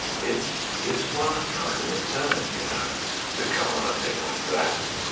It gives one a kind of a turn, you know, to come on a thing like that.